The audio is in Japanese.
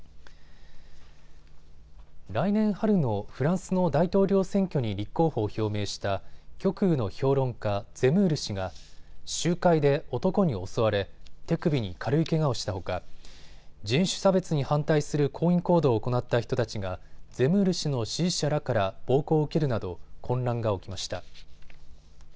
来年春のフランスの大統領選挙に立候補を表明した極右の評論家、ゼムール氏が集会で男に襲われ手首に軽いけがをしたほか人種差別に反対する抗議行動を行った人たちがゼムール氏の支持者らから暴行を受けるなど混乱が起きました。